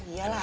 iya lah anak